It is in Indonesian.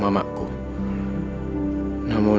tukumah kotakan padamu mamaku